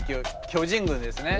巨人軍ですね。